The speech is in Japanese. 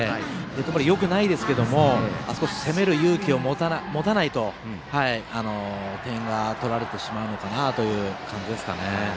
これはよくないですけれどもあそこは攻める勇気を持たないと点を取られてしまうのかなという感じですかね。